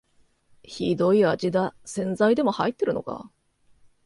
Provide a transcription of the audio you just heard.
ひどい味だ、洗剤でも入ってるのか